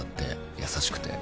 優しくて。